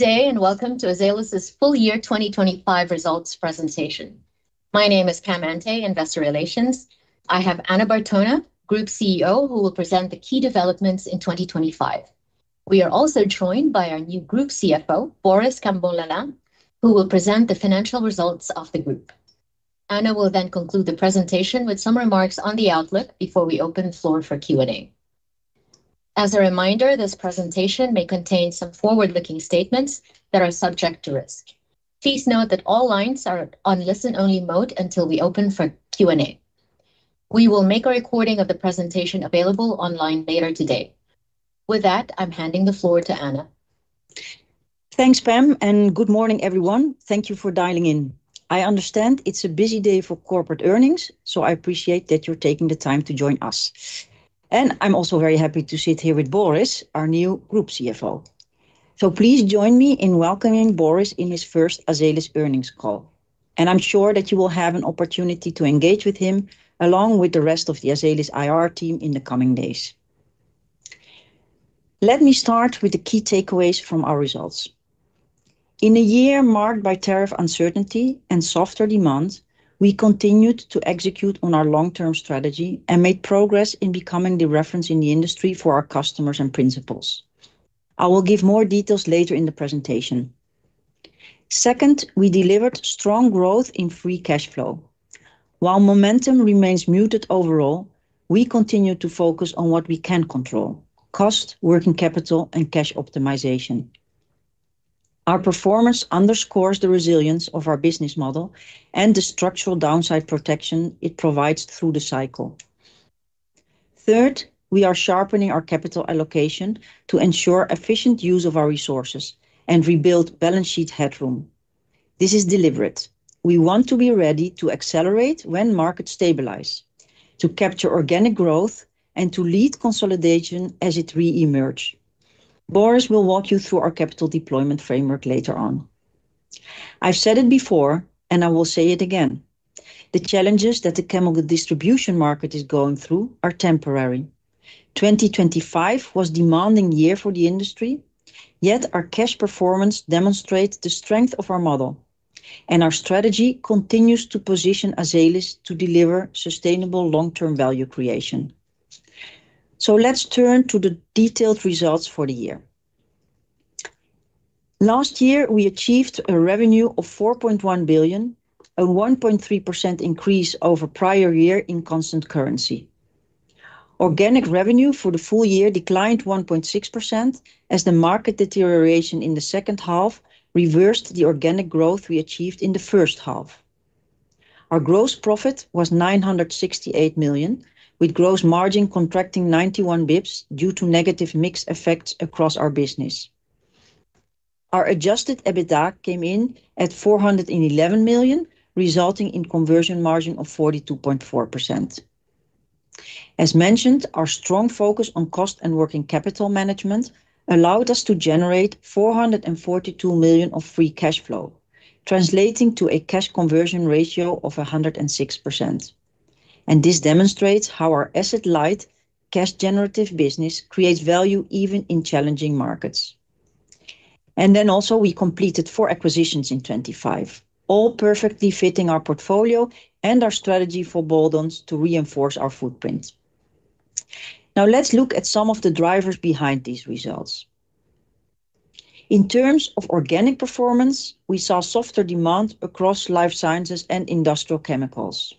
Good day, and welcome to Azelis's full year 2025 results presentation. My name is Pamela Antay, Investor Relations. I have Anna Bertona, Group CEO, who will present the key developments in 2025. We are also joined by our new Group CFO, Boris Cambon-Lalanne, who will present the financial results of the group. Anna will then conclude the presentation with some remarks on the outlook before we open the floor for Q&A. As a reminder, this presentation may contain some forward-looking statements that are subject to risk. Please note that all lines are on listen-only mode until we open for Q&A. We will make a recording of the presentation available online later today. With that, I'm handing the floor to Anna. Thanks, Pam, and good morning, everyone. Thank you for dialing in. I understand it's a busy day for corporate earnings, so I appreciate that you're taking the time to join us. I'm also very happy to sit here with Boris, our new Group CFO. Please join me in welcoming Boris in his first Azelis earnings call, and I'm sure that you will have an opportunity to engage with him, along with the rest of the Azelis IR team in the coming days. Let me start with the key takeaways from our results. In a year marked by tariff uncertainty and softer demand, we continued to execute on our long-term strategy and made progress in becoming the reference in the industry for our customers and principals. I will give more details later in the presentation. Second, we delivered strong growth in free cash flow. While momentum remains muted overall, we continue to focus on what we can control: cost, working capital, and cash optimization. Our performance underscores the resilience of our business model and the structural downside protection it provides through the cycle. Third, we are sharpening our capital allocation to ensure efficient use of our resources and rebuild balance sheet headroom. This is deliberate. We want to be ready to accelerate when markets stabilize, to capture organic growth, and to lead consolidation as it re-emerge. Boris will walk you through our capital deployment framework later on. I've said it before, and I will say it again, the challenges that the chemical distribution market is going through are temporary. 2025 was demanding year for the industry, yet our cash performance demonstrates the strength of our model, and our strategy continues to position Azelis to deliver sustainable long-term value creation. So let's turn to the detailed results for the year. Last year, we achieved a revenue of 4.1 billion, a 1.3% increase over prior year in constant currency. Organic revenue for the full year declined 1.6%, as the market deterioration in the second half reversed the organic growth we achieved in the first half. Our gross profit was 968 million, with gross margin contracting 91 basis points due to negative mix effects across our business. Our adjusted EBITDA came in at 411 million, resulting in conversion margin of 42.4%. As mentioned, our strong focus on cost and working capital management allowed us to generate 442 million of free cash flow, translating to a cash conversion ratio of 106%. This demonstrates how our asset-light, cash generative business creates value even in challenging markets. Then also, we completed four acquisitions in 2025, all perfectly fitting our portfolio and our strategy for add-ons to reinforce our footprint. Now, let's look at some of the drivers behind these results. In terms of organic performance, we saw softer demand across Life Sciences and Industrial Chemicals.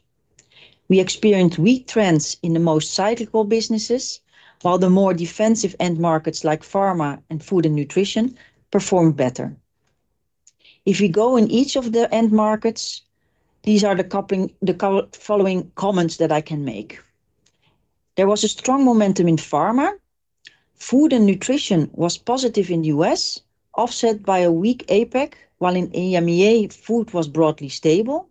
We experienced weak trends in the most cyclical businesses, while the more defensive end markets like Pharma and Food & Nutrition performed better. If you go in each of the end markets, these are the following comments that I can make. There was a strong momentum in Pharma. Food & Nutrition was positive in the U.S., offset by a weak APAC, while in EMEA, food was broadly stable.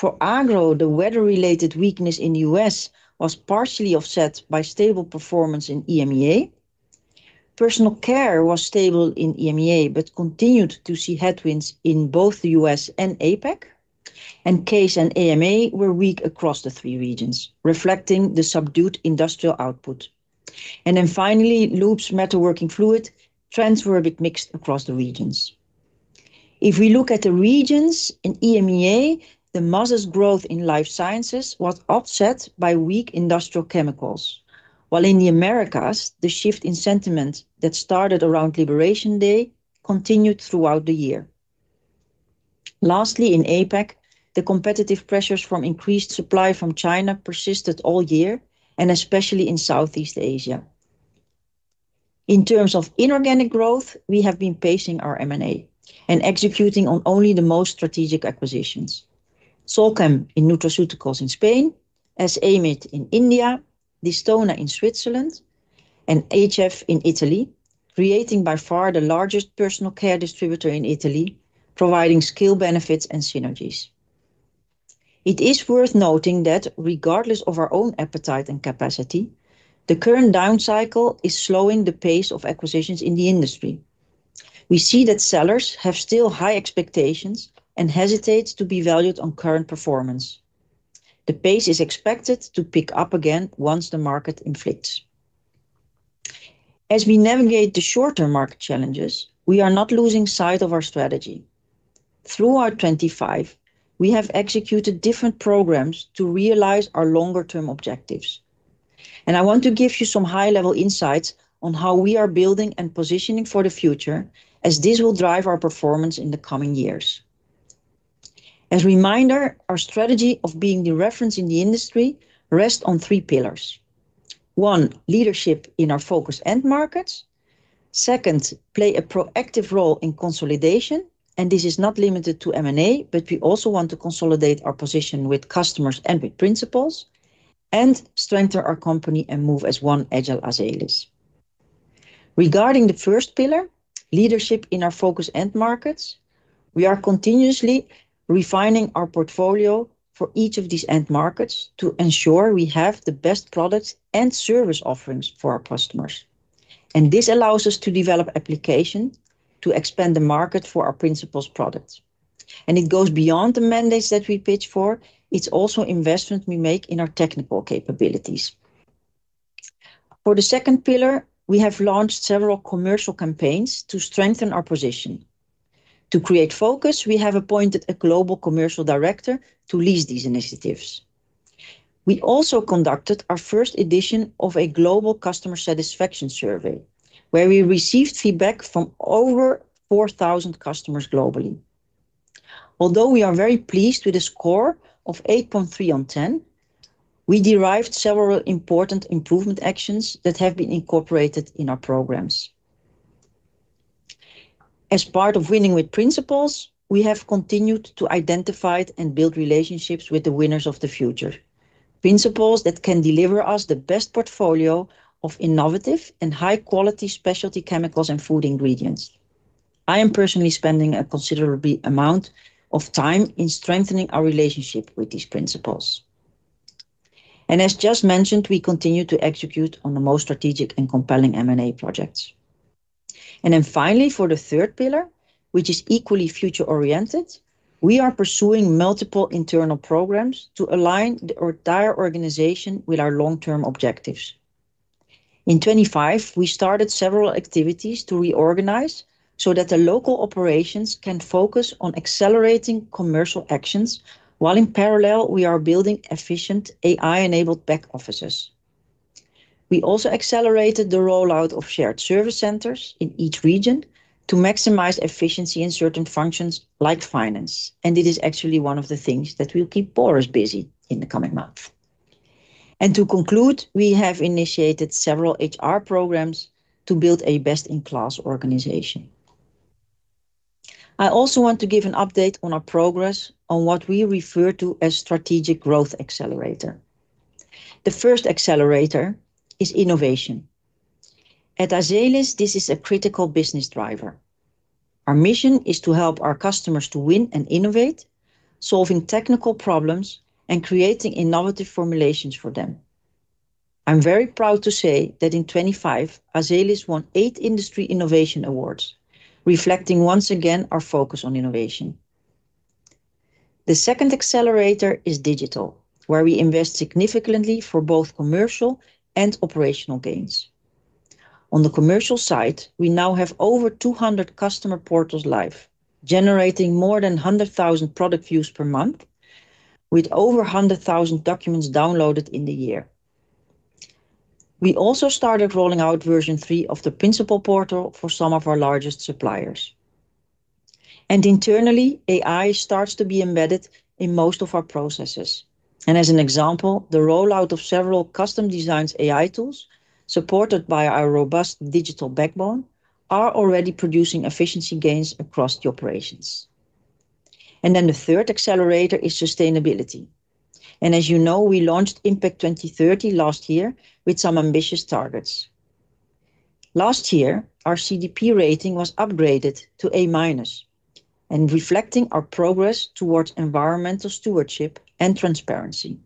For Agro, the weather-related weakness in the U.S. was partially offset by stable performance in EMEA. Personal Care was stable in EMEA, but continued to see headwinds in both the U.S. and APAC, and CASE and AM&A were weak across the three regions, reflecting the subdued industrial output. Finally, Lubes & Metalworking Fluid trends were a bit mixed across the regions. If we look at the regions in EMEA, the modest growth in Life Sciences was offset by weak Industrial Chemicals, while in the Americas, the shift in sentiment that started around Liberation Day continued throughout the year. Lastly, in APAC, the competitive pressures from increased supply from China persisted all year, and especially in Southeast Asia. In terms of inorganic growth, we have been pacing our M&A and executing on only the most strategic acquisitions. Solchem in nutraceuticals in Spain, S. Amit in India, Distona in Switzerland, and ACEF in Italy, creating by far the largest Personal Care distributor in Italy, providing scale benefits and synergies. It is worth noting that regardless of our own appetite and capacity, the current down cycle is slowing the pace of acquisitions in the industry. We see that sellers have still high expectations and hesitate to be valued on current performance. The pace is expected to pick up again once the market inflates. As we navigate the short-term market challenges, we are not losing sight of our strategy. Throughout 2025, we have executed different programs to realize our longer term objectives. And I want to give you some high-level insights on how we are building and positioning for the future, as this will drive our performance in the coming years. As a reminder, our strategy of being the reference in the industry rests on three pillars. One, leadership in our focus end markets. Second, play a proactive role in consolidation, and this is not limited to M&A, but we also want to consolidate our position with customers and with principals, and strengthen our company and move as one agile Azelis. Regarding the first pillar, leadership in our focus end markets, we are continuously refining our portfolio for each of these end markets to ensure we have the best products and service offerings for our customers. And this allows us to develop application to expand the market for our principals' products. And it goes beyond the mandates that we pitch for. It's also investment we make in our technical capabilities. For the second pillar, we have launched several commercial campaigns to strengthen our position. To create focus, we have appointed a global commercial director to lead these initiatives. We also conducted our first edition of a global customer satisfaction survey, where we received feedback from over 4,000 customers globally. Although we are very pleased with a score of 8.3 on 10, we derived several important improvement actions that have been incorporated in our programs. As part of winning with principals, we have continued to identify and build relationships with the winners of the future, principals that can deliver us the best portfolio of innovative and high-quality specialty chemicals and food ingredients. I am personally spending a considerable amount of time in strengthening our relationship with these principals. As just mentioned, we continue to execute on the most strategic and compelling M&A projects. Then finally, for the third pillar, which is equally future-oriented, we are pursuing multiple internal programs to align the entire organization with our long-term objectives. In 2025, we started several activities to reorganize so that the local operations can focus on accelerating commercial actions, while in parallel, we are building efficient AI-enabled back offices. We also accelerated the rollout of shared service centers in each region to maximize efficiency in certain functions like finance, and it is actually one of the things that will keep Boris busy in the coming months. To conclude, we have initiated several HR programs to build a best-in-class organization. I also want to give an update on our progress on what we refer to as strategic growth accelerator. The first accelerator is innovation. At Azelis, this is a critical business driver. Our mission is to help our customers to win and innovate, solving technical problems, and creating innovative formulations for them. I'm very proud to say that in 2025, Azelis won eight industry innovation awards, reflecting once again our focus on innovation. The second accelerator is digital, where we invest significantly for both commercial and operational gains. On the commercial side, we now have over 200 customer portals live, generating more than 100,000 product views per month, with over 100,000 documents downloaded in the year. We also started rolling out version 3.0 of the principal portal for some of our largest suppliers. Internally, AI starts to be embedded in most of our processes. As an example, the rollout of several custom designs AI tools, supported by our robust digital backbone, are already producing efficiency gains across the operations. Then the third accelerator is sustainability. As you know, we launched Impact 2030 last year with some ambitious targets. Last year, our CDP rating was upgraded to A-, and reflecting our progress towards environmental stewardship and transparency.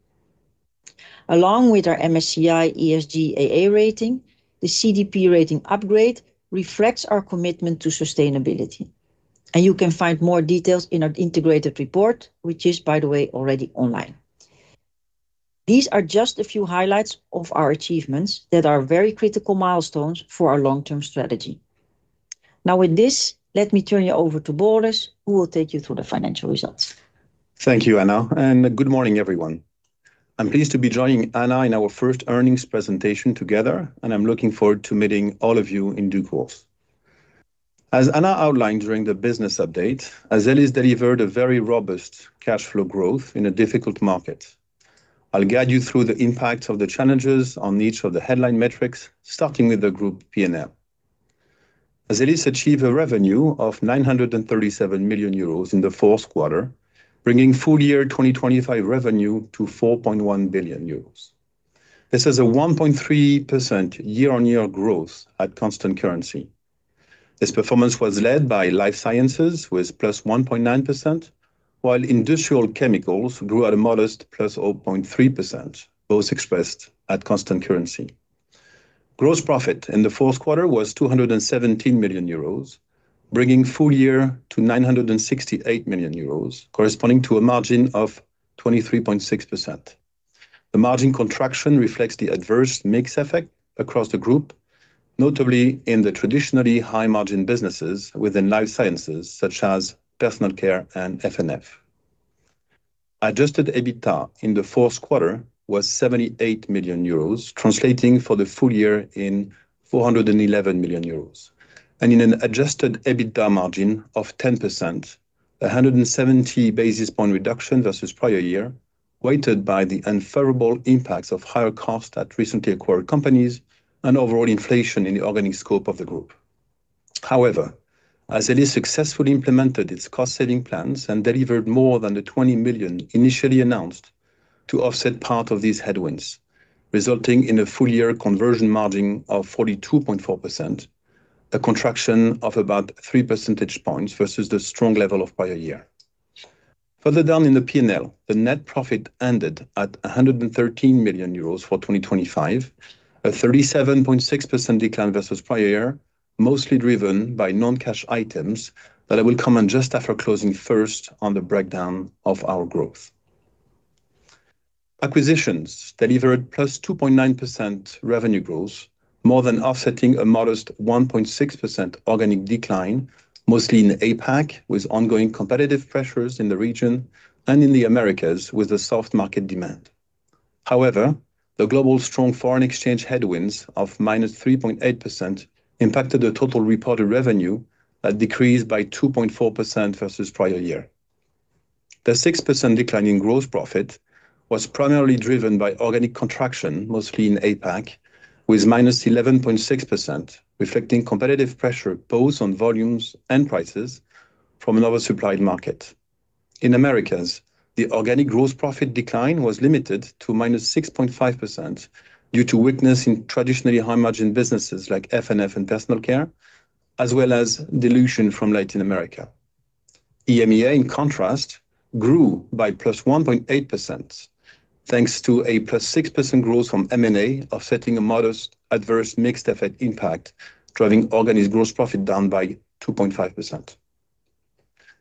Along with our MSCI ESG AA rating, the CDP rating upgrade reflects our commitment to sustainability, and you can find more details in our integrated report, which is, by the way, already online. These are just a few highlights of our achievements that are very critical milestones for our long-term strategy. Now, with this, let me turn you over to Boris, who will take you through the financial results. Thank you, Anna, and good morning, everyone. I'm pleased to be joining Anna in our first earnings presentation together, and I'm looking forward to meeting all of you in due course. As Anna outlined during the business update, Azelis delivered a very robust cash flow growth in a difficult market. I'll guide you through the impact of the challenges on each of the headline metrics, starting with the group P&L. Azelis achieved a revenue of 937 million euros in the fourth quarter, bringing full year 2025 revenue to 4.1 billion euros. This is a 1.3% year-on-year growth at constant currency. This performance was led by Life Sciences, with +1.9%, while Industrial Chemicals grew at a modest +0.3%, both expressed at constant currency. Gross profit in the fourth quarter was 217 million euros, bringing full year to 968 million euros, corresponding to a margin of 23.6%. The margin contraction reflects the adverse mix effect across the group, notably in the traditionally high-margin businesses within Life Sciences, such as Personal Care and F&N. Adjusted EBITDA in the fourth quarter was 78 million euros, translating for the full year in 411 million euros, and in an adjusted EBITDA margin of 10%, a 170 basis point reduction versus prior year, weighted by the unfavorable impacts of higher costs at recently acquired companies and overall inflation in the organic scope of the group. However, as it is successfully implemented, its cost-saving plans and delivered more than the 20 million initially announced to offset part of these headwinds, resulting in a full year conversion margin of 42.4%, a contraction of about 3 percentage points versus the strong level of prior year. Further down in the P&L, the net profit ended at 113 million euros for 2025, a 37.6% decline versus prior year, mostly driven by non-cash items that I will come in just after closing first on the breakdown of our growth. Acquisitions delivered +2.9% revenue growth, more than offsetting a modest 1.6% organic decline, mostly in APAC, with ongoing competitive pressures in the region and in the Americas, with the soft market demand. However, the global strong foreign exchange headwinds of -3.8% impacted the total reported revenue that decreased by 2.4% versus prior year. The 6% decline in gross profit was primarily driven by organic contraction, mostly in APAC, with -11.6%, reflecting competitive pressure both on volumes and prices from an oversupplied market. In Americas, the organic gross profit decline was limited to -6.5% due to weakness in traditionally high-margin businesses like F&N and Personal Care, as well as dilution from Latin America. EMEA, in contrast, grew by +1.8%, thanks to a +6% growth from M&A, offsetting a modest adverse mix effect impact, driving organic gross profit down by 2.5%.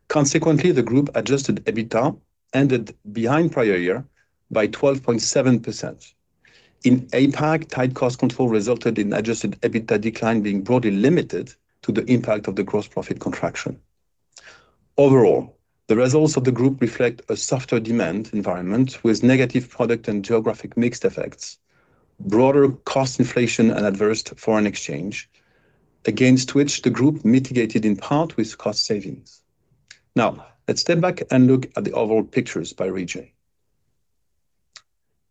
Consequently, the group adjusted EBITDA ended behind prior year by 12.7%. In APAC, tight cost control resulted in adjusted EBITDA decline being broadly limited to the impact of the gross profit contraction. Overall, the results of the group reflect a softer demand environment with negative product and geographic mixed effects, broader cost inflation and adverse foreign exchange, against which the group mitigated in part with cost savings. Now, let's step back and look at the overall pictures by region.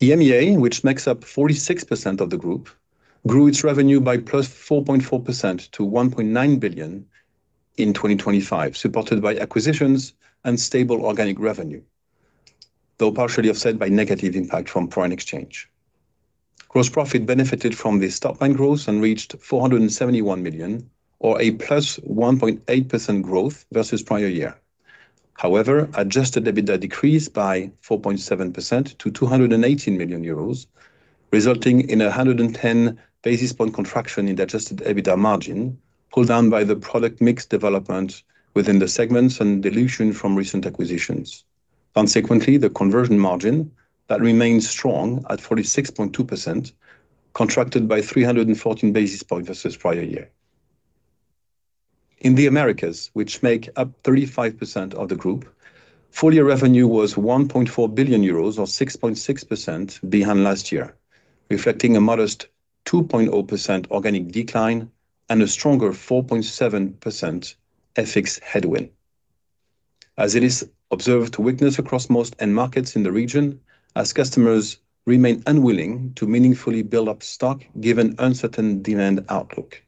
EMEA, which makes up 46% of the group, grew its revenue by +4.4% to 1.9 billion in 2025, supported by acquisitions and stable organic revenue, though partially offset by negative impact from foreign exchange. Gross profit benefited from this top-line growth and reached 471 million, or a +1.8% growth versus prior year. However, adjusted EBITDA decreased by 4.7% to 218 million euros, resulting in a 110 basis point contraction in the adjusted EBITDA margin, pulled down by the product mix development within the segments and dilution from recent acquisitions. Consequently, the conversion margin that remains strong at 46.2%, contracted by 314 basis points versus prior year. In the Americas, which make up 35% of the group, full year revenue was 1.4 billion euros or 6.6% behind last year, reflecting a modest 2.2% organic decline and a stronger 4.7% FX headwind. As it is observed, weakness across most end markets in the region as customers remain unwilling to meaningfully build up stock, given uncertain demand outlook.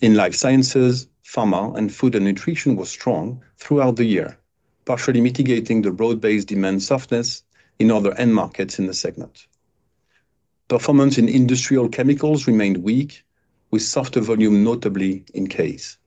In Life Sciences, Pharma and Food & Nutrition was strong throughout the year, partially mitigating the broad-based demand softness in other end markets in the segment. Performance in Industrial Chemicals remained weak, with softer volume, notably in CASE.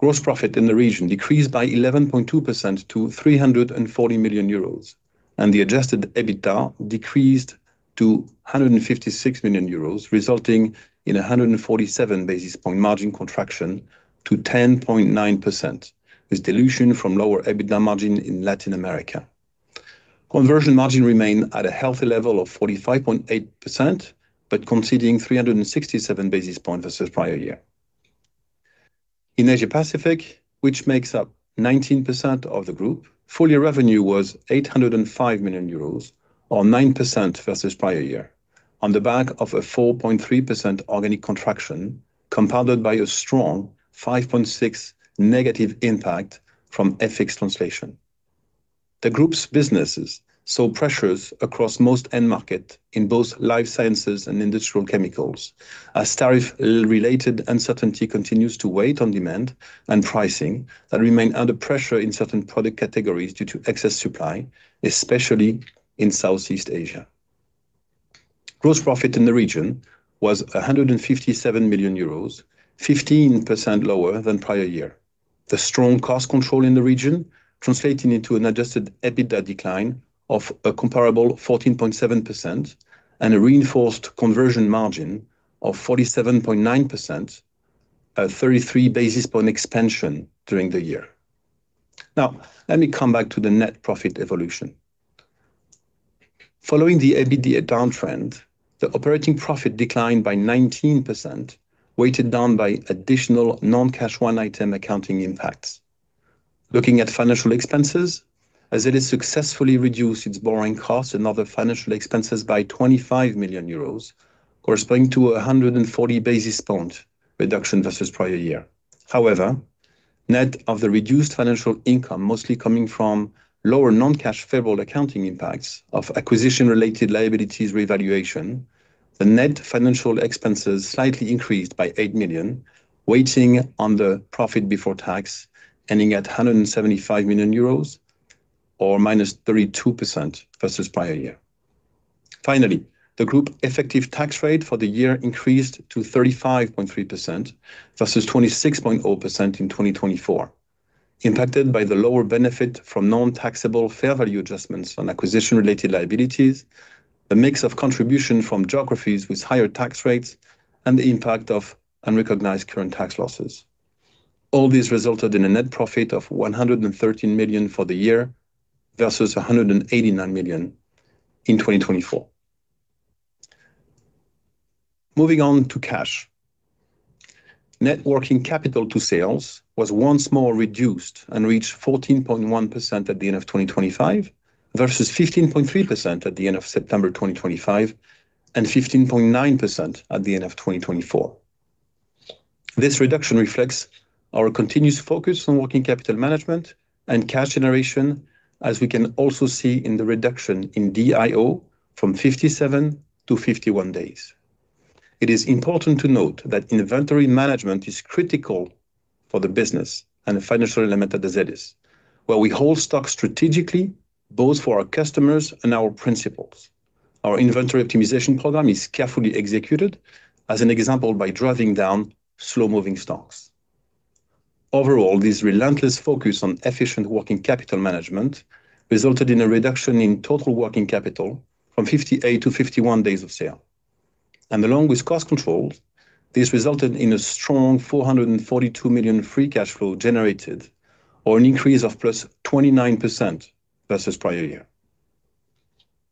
Gross profit in the region decreased by 11.2% to 340 million euros, and the adjusted EBITDA decreased to 156 million euros, resulting in a 147 basis point margin contraction to 10.9%, with dilution from lower EBITDA margin in Latin America. Conversion margin remained at a healthy level of 45.8%, but conceding 367 basis points versus prior year. In Asia Pacific, which makes up 19% of the group, full year revenue was 805 million euros, or 9% versus prior year, on the back of a 4.3% organic contraction, compounded by a strong -5.6% impact from FX translation. The group's businesses saw pressures across most end markets in both Life Sciences and Industrial Chemicals, as tariff-related uncertainty continues to weigh on demand and pricing that remain under pressure in certain product categories due to excess supply, especially in Southeast Asia. Gross profit in the region was 157 million euros, 15% lower than prior year. The strong cost control in the region translating into an adjusted EBITDA decline of a comparable 14.7% and a reinforced conversion margin of 47.9%, a 33 basis point expansion during the year. Now, let me come back to the net profit evolution. Following the EBITDA downtrend, the operating profit declined by 19%, weighted down by additional non-cash one-item accounting impacts. Looking at financial expenses, as it has successfully reduced its borrowing costs and other financial expenses by 25 million euros, corresponding to a 140 basis point reduction versus prior year. However, net of the reduced financial income, mostly coming from lower non-cash favorable accounting impacts of acquisition-related liabilities revaluation, the net financial expenses slightly increased by 8 million, weighting on the profit before tax, ending at 175 million euros or -32% versus prior year. Finally, the group effective tax rate for the year increased to 35.3% versus 26.0% in 2024, impacted by the lower benefit from non-taxable fair value adjustments on acquisition-related liabilities, the mix of contribution from geographies with higher tax rates, and the impact of unrecognized current tax losses. All these resulted in a net profit of 113 million for the year versus 189 million in 2024. Moving on to cash. Net working capital to sales was once more reduced and reached 14.1% at the end of 2025, versus 15.3% at the end of September 2025, and 15.9% at the end of 2024. This reduction reflects our continuous focus on working capital management and cash generation, as we can also see in the reduction in DIO from 57 to 51 days. It is important to note that inventory management is critical for the business and the financial element of the Azelis's, where we hold stock strategically, both for our customers and our principals. Our inventory optimization program is carefully executed as an example, by driving down slow-moving stocks. Overall, this relentless focus on efficient working capital management resulted in a reduction in total working capital from 58 to 51 days of sale. And along with cost control, this resulted in a strong 442 million free cash flow generated, or an increase of +29% versus prior year.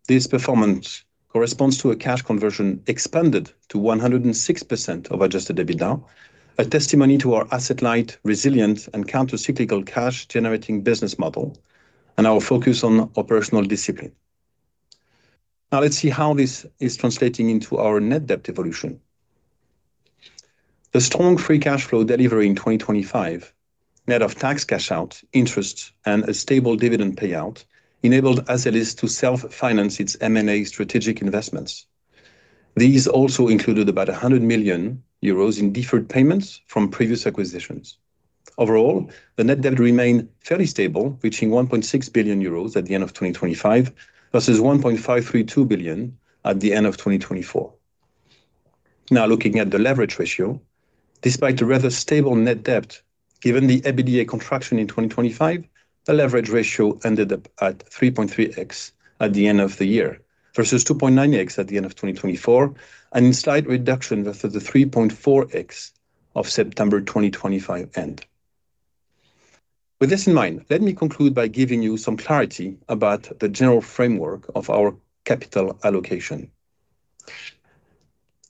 This performance corresponds to a cash conversion expanded to 106% of adjusted EBITDA, a testimony to our asset-light, resilient, and countercyclical cash-generating business model and our focus on operational discipline. Now, let's see how this is translating into our net debt evolution. The strong free cash flow delivery in 2025, net of tax cash out, interest, and a stable dividend payout, enabled as it is to self-finance its M&A strategic investments. These also included about 100 million euros in deferred payments from previous acquisitions. Overall, the net debt remained fairly stable, reaching 1.6 billion euros at the end of 2025, versus 1.532 billion at the end of 2024. Now, looking at the leverage ratio, despite a rather stable net debt, given the EBITDA contraction in 2025, the leverage ratio ended up at 3.3x at the end of the year, versus 2.9x at the end of 2024, and in slight reduction versus the 3.4x of September 2025 end. With this in mind, let me conclude by giving you some clarity about the general framework of our capital allocation.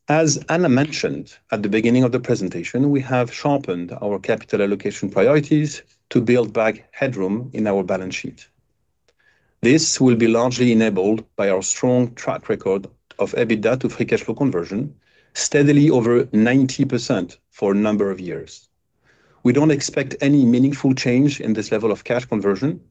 As Anna mentioned at the beginning of the presentation, we have sharpened our capital allocation priorities to build back headroom in our balance sheet. This will be largely enabled by our strong track record of EBITDA to free cash flow conversion, steadily over 90% for a number of years. We don't expect any meaningful change in this level of cash conversion,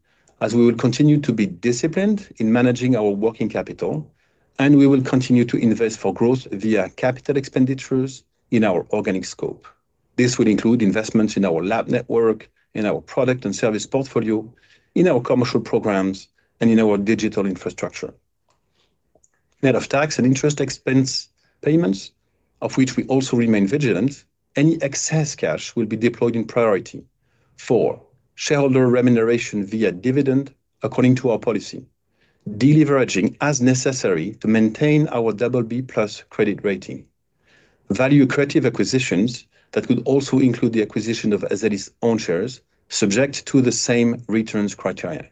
as we will continue to be disciplined in managing our working capital, and we will continue to invest for growth via capital expenditures in our organic scope. This will include investments in our lab network, in our product and service portfolio, in our commercial programs, and in our digital infrastructure. Net of tax and interest expense payments, of which we also remain vigilant, any excess cash will be deployed in priority for shareholder remuneration via dividend according to our policy. Deleveraging as necessary to maintain our double B plus credit rating. Value creative acquisitions that could also include the acquisition of Azeli's own shares, subject to the same returns criteria.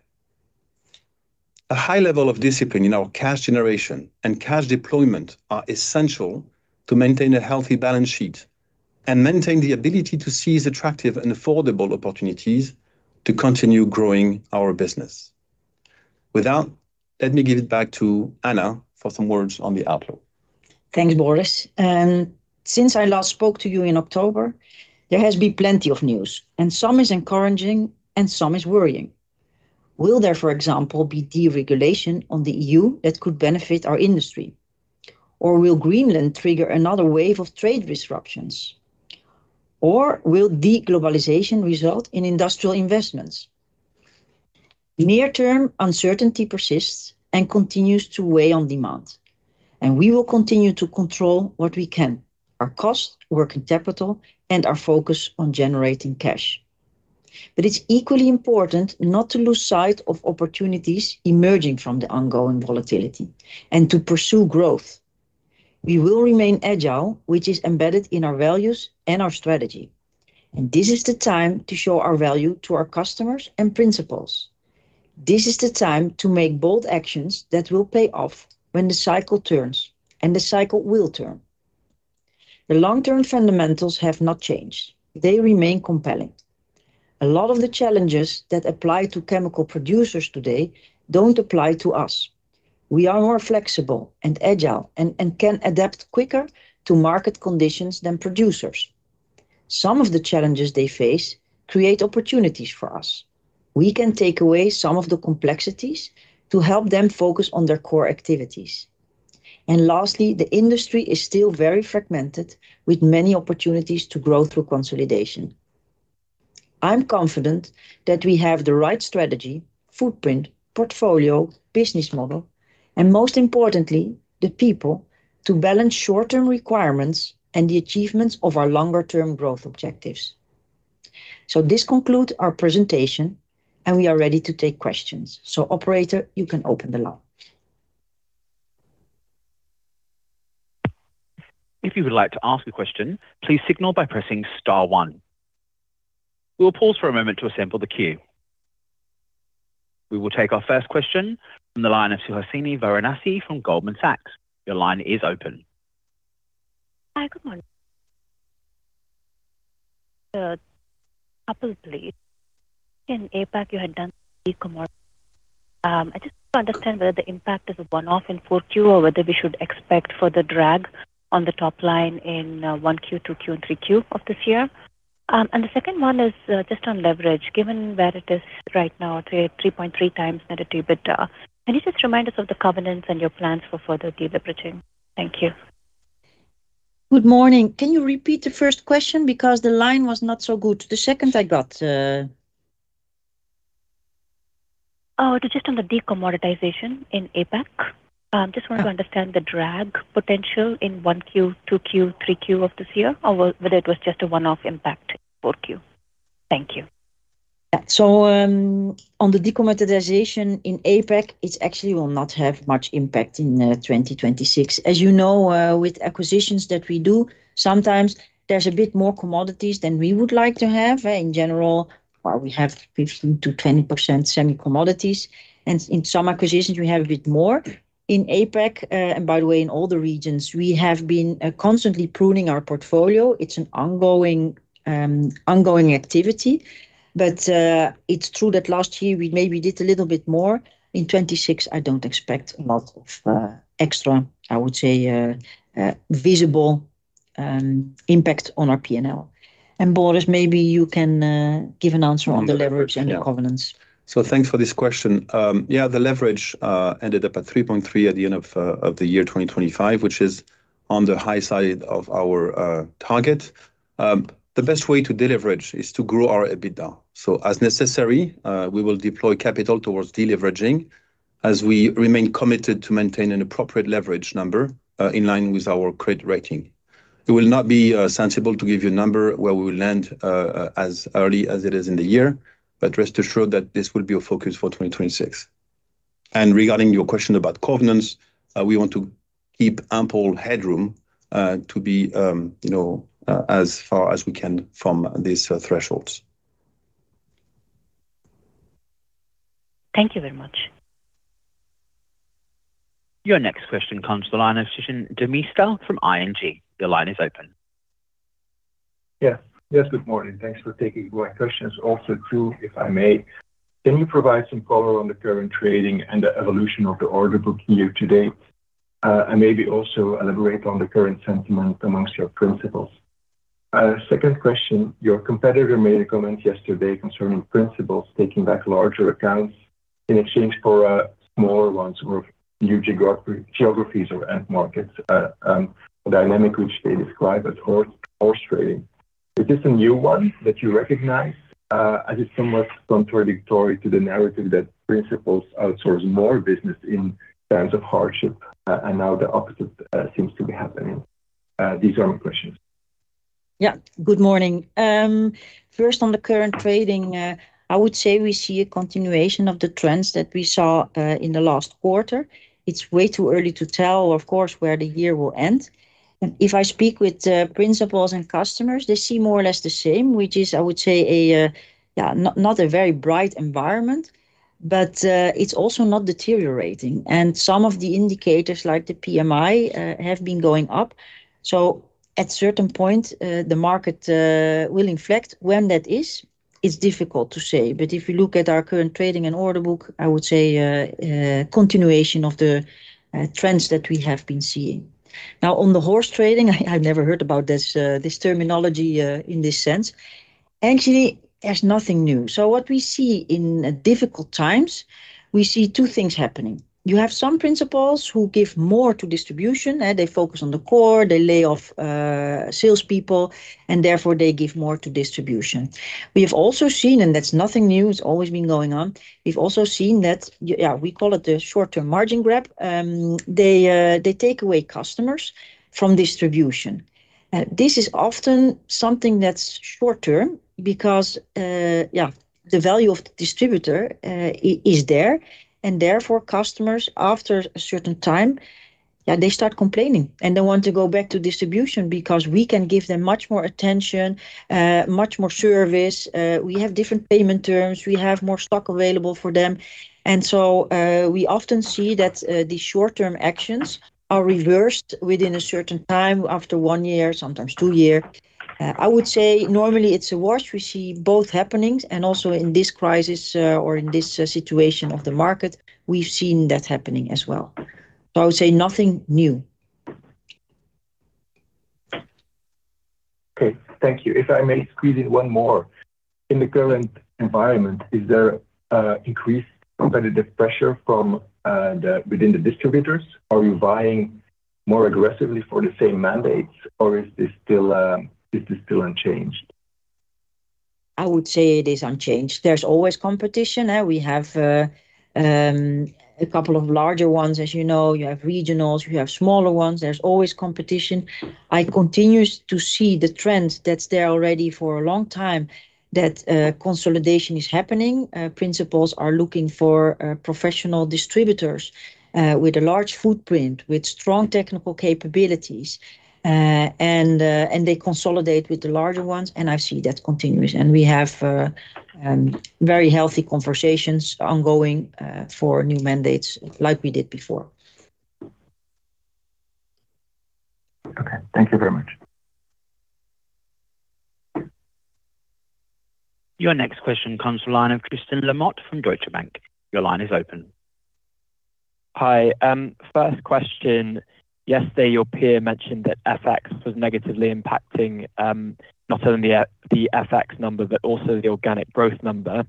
A high level of discipline in our cash generation and cash deployment are essential to maintain a healthy balance sheet and maintain the ability to seize attractive and affordable opportunities to continue growing our business. With that, let me give it back to Anna for some words on the outlook. Thanks, Boris. Since I last spoke to you in October, there has been plenty of news, and some is encouraging and some is worrying. Will there, for example, be deregulation on the EU that could benefit our industry? Or will Greenland trigger another wave of trade disruptions? Or will deglobalization result in industrial investments? In near term, uncertainty persists and continues to weigh on demand, and we will continue to control what we can: our cost, working capital, and our focus on generating cash. But it's equally important not to lose sight of opportunities emerging from the ongoing volatility and to pursue growth. We will remain agile, which is embedded in our values and our strategy, and this is the time to show our value to our customers and principals. This is the time to make bold actions that will pay off when the cycle turns, and the cycle will turn. The long-term fundamentals have not changed. They remain compelling. A lot of the challenges that apply to chemical producers today don't apply to us. We are more flexible and agile and can adapt quicker to market conditions than producers. Some of the challenges they face create opportunities for us. We can take away some of the complexities to help them focus on their core activities. And lastly, the industry is still very fragmented, with many opportunities to grow through consolidation. I'm confident that we have the right strategy, footprint, portfolio, business model, and most importantly, the people to balance short-term requirements and the achievements of our longer-term growth objectives. So this concludes our presentation, and we are ready to take questions. So operator, you can open the line. If you would like to ask a question, please signal by pressing star one. We will pause for a moment to assemble the queue. We will take our first question from the line of Suhasini Varanasi from Goldman Sachs. Your line is open. Hi, good morning. Couple, please. In APAC, you had done e-commerce. I just want to understand whether the impact is a one-off in 4Q or whether we should expect for the drag on the top line in, 1Q, 2Q, and 3Q of this year. And the second one is, just on leverage. Given where it is right now, 3.3x net EBITDA, can you just remind us of the covenants and your plans for further deleveraging? Thank you. Good morning. Can you repeat the first question? Because the line was not so good. The second I got. Oh, it was just on the decommoditization in APAC. Uh Just want to understand the drag potential in 1Q, 2Q, 3Q of this year, or whether it was just a one-off impact for Q. Thank you. Yeah. So, on the decommoditization in APAC, it actually will not have much impact in 2026. As you know, with acquisitions that we do, sometimes there's a bit more commodities than we would like to have. In general, well, we have 15%-20% semi commodities, and in some acquisitions, we have a bit more. In APAC, and by the way, in all the regions, we have been constantly pruning our portfolio. It's an ongoing, ongoing activity, but it's true that last year we maybe did a little bit more. In 2026, I don't expect a lot of extra, I would say, visible impact on our P&L. And Boris, maybe you can give an answer on the leverage and the covenants. So thanks for this question. Yeah, the leverage ended up at 3.3 at the end of the year 2025, which is on the high side of our target. The best way to deleverage is to grow our EBITDA. So as necessary, we will deploy capital towards deleveraging as we remain committed to maintain an appropriate leverage number in line with our credit rating. It will not be sensible to give you a number where we will land, as early as it is in the year, but rest assured that this will be a focus for 2026. And regarding your question about covenants, we want to keep ample headroom, to be, you know, as far as we can from these thresholds. Thank you very much. Your next question comes to the line of Stijn Demeester from ING. Your line is open. Yes. Yes, good morning. Thanks for taking my questions. Also, two, if I may. Can you provide some color on the current trading and the evolution of the order book year to date? And maybe also elaborate on the current sentiment amongst your principals. Second question, your competitor made a comment yesterday concerning principals taking back larger accounts in exchange for smaller ones or new geographies or end markets, a dynamic which they describe as horse trading. Is this a new one that you recognize? As it's somewhat contradictory to the narrative that principals outsource more business in times of hardship, and now the opposite seems to be happening. These are my questions. Yeah. Good morning. First on the current trading, I would say we see a continuation of the trends that we saw in the last quarter. It's way too early to tell, of course, where the year will end, and if I speak with the principals and customers, they see more or less the same, which is, I would say, a, yeah, not, not a very bright environment, but it's also not deteriorating. Some of the indicators, like the PMI, have been going up, so at certain point, the market will inflect. When that is, it's difficult to say, but if you look at our current trading and order book, I would say continuation of the trends that we have been seeing. Now, on the horse trading, I, I've never heard about this, this terminology, in this sense. Actually, it's nothing new. So what we see in difficult times. We see two things happening. You have some principals who give more to distribution, and they focus on the core, they lay off, salespeople, and therefore they give more to distribution. We have also seen, and that's nothing new, it's always been going on, we've also seen that, yeah, we call it the short-term margin grab, they, they take away customers from distribution. This is often something that's short-term because, yeah, the value of the distributor is there, and therefore, customers after a certain time, yeah, they start complaining, and they want to go back to distribution because we can give them much more attention, much more service, we have different payment terms, we have more stock available for them. And so, we often see that the short-term actions are reversed within a certain time, after one year, sometimes two years. I would say normally it's worse. We see both happenings and also in this crisis, or in this situation of the market, we've seen that happening as well. So I would say nothing new. Okay, thank you. If I may squeeze in one more. In the current environment, is there increased competitive pressure from within the distributors? Are you buying more aggressively for the same mandates, or is this still unchanged? I would say it is unchanged. There's always competition, we have a couple of larger ones, as you know. You have regionals, we have smaller ones. There's always competition. I continue to see the trends that's there already for a long time, that consolidation is happening. Principals are looking for professional distributors with a large footprint, with strong technical capabilities. And they consolidate with the larger ones, and I see that continuous. And we have very healthy conversations ongoing for new mandates like we did before. Okay, thank you very much. Your next question comes from the line of Tristan Lamotte from Deutsche Bank. Your line is open. Hi, first question. Yesterday, your peer mentioned that FX was negatively impacting, not only the FX number, but also the organic growth number.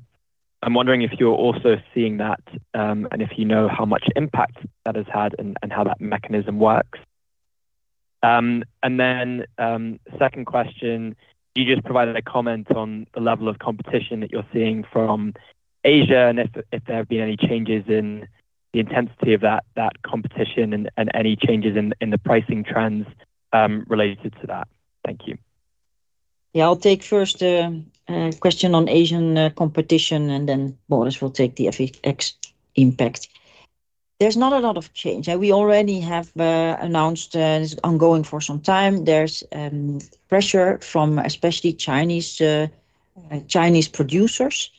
I'm wondering if you're also seeing that, and if you know how much impact that has had and how that mechanism works? And then, second question, you just provided a comment on the level of competition that you're seeing from Asia, and if there have been any changes in the intensity of that competition and any changes in the pricing trends related to that. Thank you. Yeah. I'll take first question on Asian competition, and then Boris will take the FX impact. There's not a lot of change, and we already have announced, and it's ongoing for some time. There's pressure from especially Chinese Chinese producers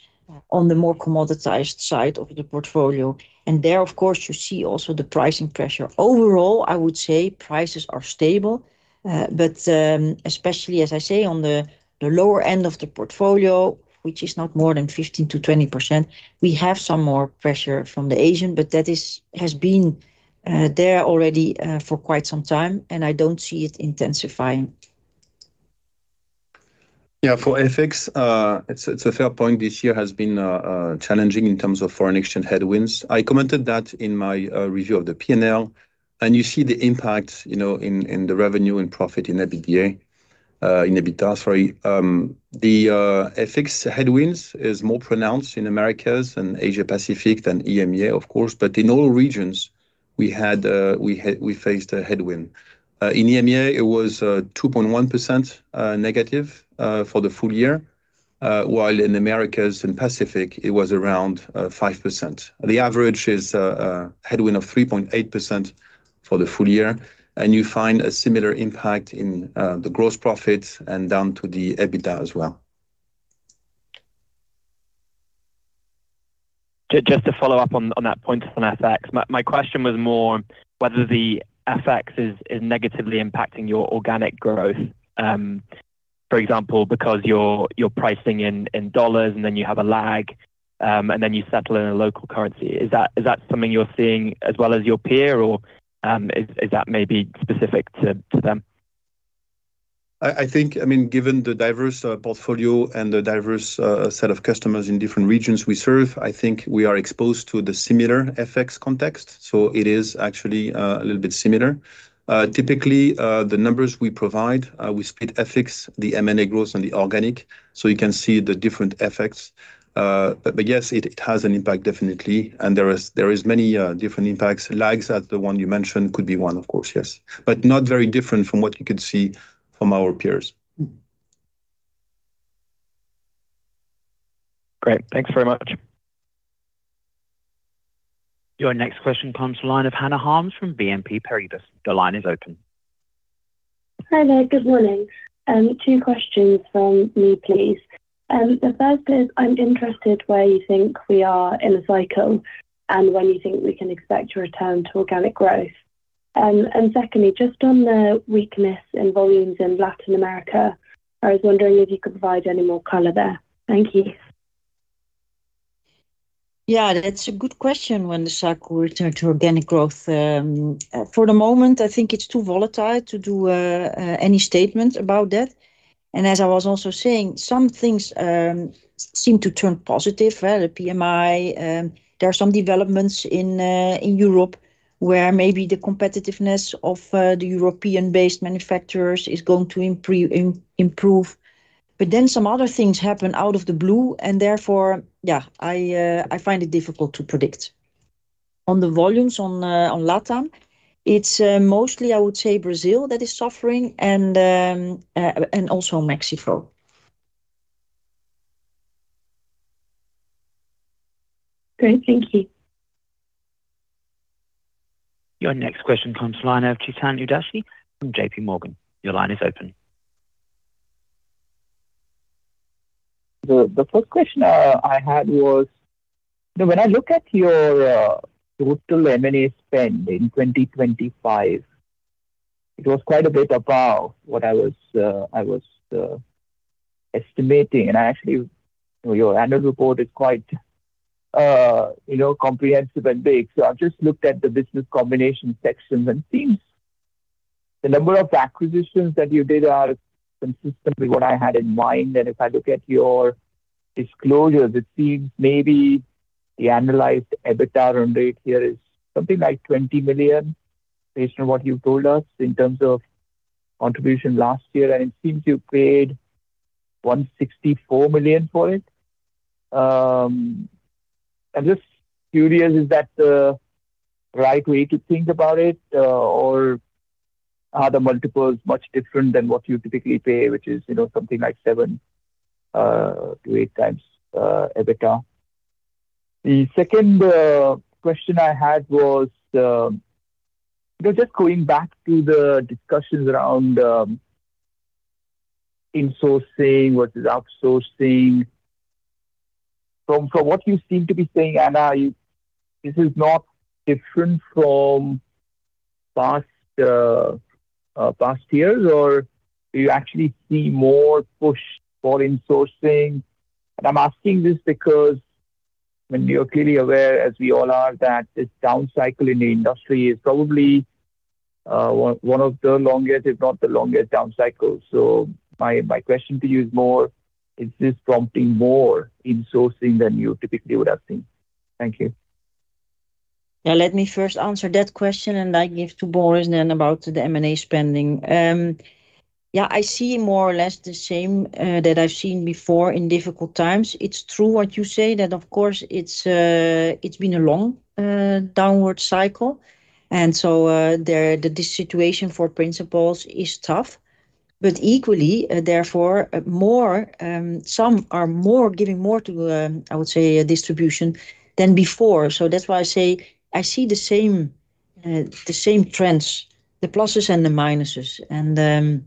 on the more commoditized side of the portfolio. And there, of course, you see also the pricing pressure. Overall, I would say prices are stable, but especially as I say, on the lower end of the portfolio, which is not more than 15%-20%, we have some more pressure from the Asian, but that is, has been there already, for quite some time, and I don't see it intensifying. Yeah, for FX, it's a fair point. This year has been challenging in terms of foreign exchange headwinds. I commented that in my review of the PNL, and you see the impact, you know, in the revenue and profit in EBITDA, sorry. The FX headwinds is more pronounced in Americas and Asia Pacific than EMEA, of course, but in all regions, we faced a headwind. In EMEA, it was 2.1%- for the full year, while in the Americas and Pacific, it was around 5%. The average is a headwind of 3.8% for the full year, and you find a similar impact in the gross profit and down to the EBITDA as well. Just to follow up on that point on FX. My question was more whether the FX is negatively impacting your organic growth, for example, because you're pricing in dollars, and then you have a lag, and then you settle in a local currency. Is that something you're seeing as well as your peer, or is that maybe specific to them? I think, I mean, given the diverse portfolio and the diverse set of customers in different regions we serve, I think we are exposed to the similar FX context, so it is actually a little bit similar. Typically, the numbers we provide, we split FX, the M&A growth and the organic, so you can see the different effects. But, yes, it has an impact, definitely, and there is many different impacts. Lags, as the one you mentioned, could be one, of course, yes, but not very different from what you could see from our peers. Great. Thanks very much. Your next question comes from the line of Hannah Harms from BNP Paribas. The line is open. Hi there. Good morning. Two questions from me, please. The first is, I'm interested where you think we are in the cycle and when you think we can expect to return to organic growth? And secondly, just on the weakness in volumes in Latin America, I was wondering if you could provide any more color there. Thank you. Yeah, that's a good question, when the cycle will return to organic growth. For the moment, I think it's too volatile to do any statement about that. And as I was also saying, some things seem to turn positive, right? The PMI, there are some developments in Europe where maybe the competitiveness of the European-based manufacturers is going to improve, but then some other things happen out of the blue and therefore, yeah, I find it difficult to predict. On the volumes on LatAm, it's mostly I would say Brazil, that is suffering and also Mexico. Great. Thank you. Your next question comes line of Chetan Udeshi from JPMorgan. Your line is open. The first question I had was, when I look at your total M&A spend in 2025, it was quite a bit above what I was estimating. And actually, your annual report is quite, you know, comprehensive and big. So I've just looked at the business combination sections, and it seems the number of acquisitions that you did are consistently what I had in mind. And if I look at your disclosures, it seems maybe the annualized EBITDA run rate here is something like 20 million, based on what you've told us in terms of contribution last year, and it seems you paid 164 million for it. I'm just curious, is that the right way to think about it, or are the multiples much different than what you typically pay, which is, you know, something like 7x-8xEBITDA? The second question I had was, just going back to the discussions around insourcing versus outsourcing. From what you seem to be saying, Anna, this is not different from past years, or do you actually see more push for insourcing? And I'm asking this because when you're clearly aware, as we all are, that this down cycle in the industry is probably one of the longest, if not the longest down cycle. So my question to you is more, is this prompting more insourcing than you typically would have seen? Thank you. Yeah. Let me first answer that question, and I give to Boris, then about the M&A spending. Yeah, I see more or less the same, that I've seen before in difficult times. It's true what you say, that, of course, it's been a long, downward cycle, and so, the situation for principals is tough. But equally, therefore, more, some are more giving more to, I would say, distribution than before. So that's why I say I see the same, the same trends, the pluses and the minuses, and,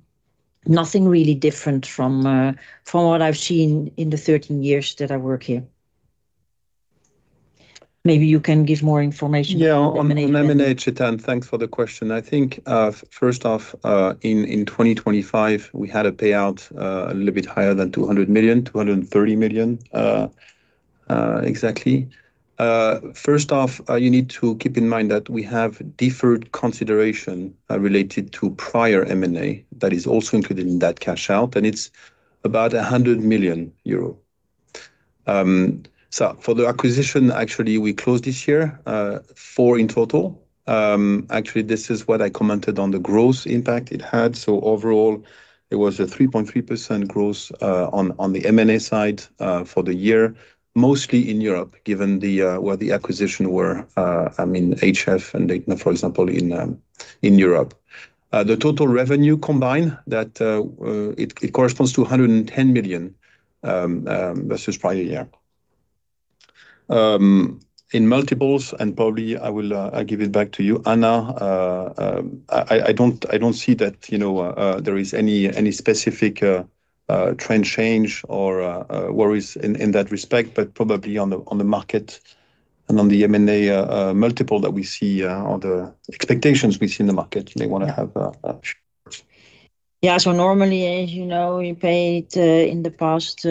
nothing really different from, from what I've seen in the 13 years that I work here. Maybe you can give more information. Yeah. On M&A, Chetan, thanks for the question. I think, first off, in 2025, we had a payout, a little bit higher than 200 million, 230 million, exactly. First off, you need to keep in mind that we have deferred consideration, related to prior M&A that is also included in that cash out, and it's about 100 million euro. So for the acquisition, actually, we closed this year, four in total. Actually, this is what I commented on the growth impact it had. So overall, it was 3.3% growth, on the M&A side, for the year, mostly in Europe, given the where the acquisition were, I mean, ACEF and, for example, in Europe. The total revenue combined that it corresponds to 110 million versus prior year. In multiples, and probably I will give it back to you, Anna. I don't see that, you know, there is any specific trend change or worries in that respect, but probably on the market and on the M&A multiple that we see or the expectations we see in the market, they want to have Yeah. So normally, as you know, we paid in the past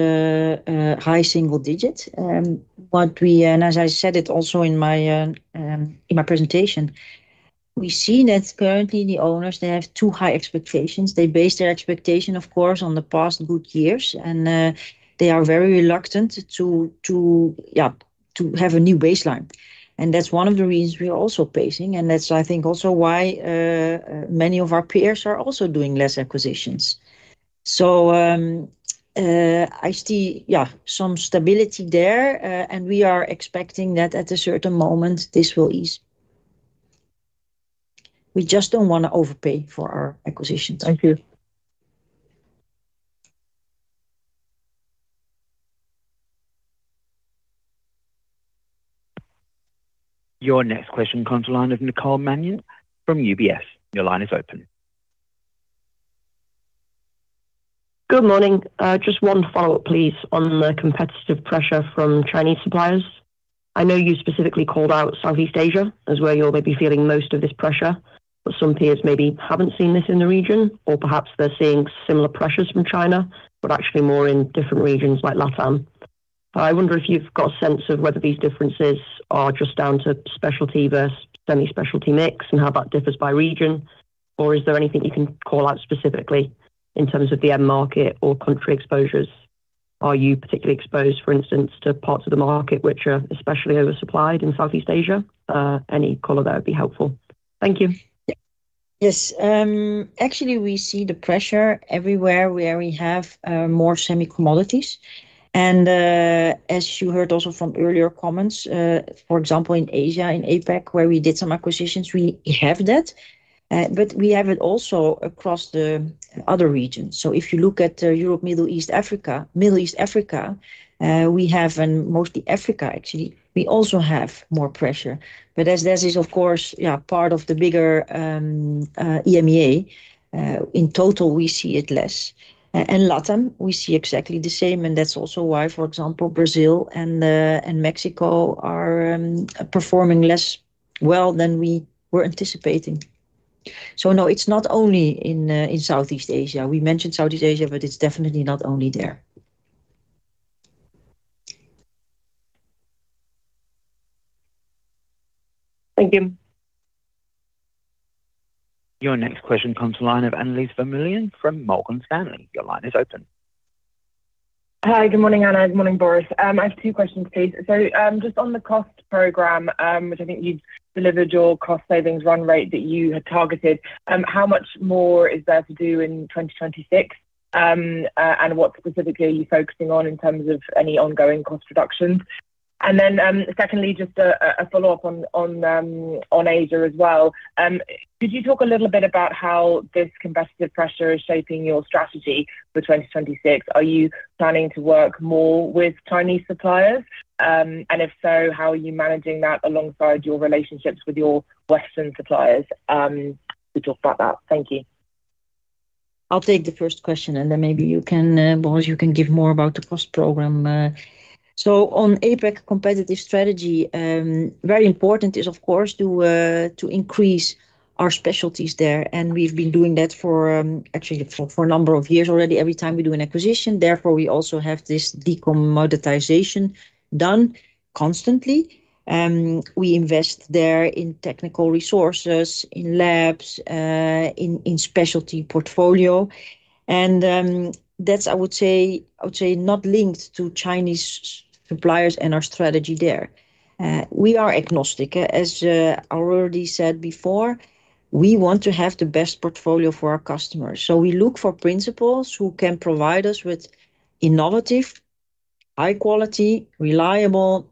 high single digits. And as I said it also in my presentation, we've seen that currently the owners, they have too high expectations. They base their expectation, of course, on the past good years, and they are very reluctant to have a new baseline. And that's one of the reasons we're also pacing, and that's I think also why many of our peers are also doing less acquisitions. So, I see some stability there, and we are expecting that at a certain moment, this will ease. We just don't want to overpay for our acquisitions. Thank you. Your next question comes from the line of Nicole Manion from UBS. Your line is open. Good morning. Just one follow-up, please, on the competitive pressure from Chinese suppliers. I know you specifically called out Southeast Asia as where you're maybe feeling most of this pressure, but some peers maybe haven't seen this in the region, or perhaps they're seeing similar pressures from China, but actually more in different regions like LatAm. I wonder if you've got a sense of whether these differences are just down to specialty versus semi-specialty mix and how that differs by region, or is there anything you can call out specifically in terms of the end market or country exposures? Are you particularly exposed, for instance, to parts of the market which are especially oversupplied in Southeast Asia? Any color, that would be helpful. Thank you. Yes. Actually, we see the pressure everywhere where we have more semi commodities. And as you heard also from earlier comments, for example, in Asia, in APAC, where we did some acquisitions, we have that, but we have it also across the other regions. So if you look at Europe, Middle East, Africa, Middle East, Africa, we have, and mostly Africa actually, we also have more pressure. But as this is, of course, yeah, part of the bigger EMEA, in total, we see it less. And LatAm, we see exactly the same, and that's also why, for example, Brazil and the, and Mexico are performing less well than we were anticipating. So no, it's not only in in Southeast Asia. We mentioned Southeast Asia, but it's definitely not only there. Thank you. Your next question comes to line of Annelies Vermeulen from Morgan Stanley. Your line is open. Hi. Good morning, Anna. Good morning, Boris. I have two questions, please. So, just on the cost program, which I think you've delivered your cost savings run rate that you had targeted, how much more is there to do in 2026? And what specifically are you focusing on in terms of any ongoing cost reductions? And then, secondly, just a follow-up on Asia as well. Could you talk a little bit about how this competitive pressure is shaping your strategy for 2026? Are you planning to work more with Chinese suppliers? And if so, how are you managing that alongside your relationships with your Western suppliers? We talked about that. Thank you. I'll take the first question, and then maybe you can, Boris, you can give more about the cost program. So on APAC competitive strategy, very important is, of course, to increase our specialties there, and we've been doing that for actually for a number of years already, every time we do an acquisition. Therefore, we also have this decommoditization done constantly. We invest there in technical resources, in labs, in specialty portfolio. And that's, I would say, not linked to Chinese suppliers and our strategy there. We are agnostic. As I already said before, we want to have the best portfolio for our customers. So we look for principals who can provide us with innovative, high quality, reliable